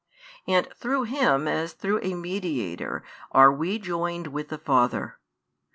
And through Him as through a Mediator are we joined with the Father.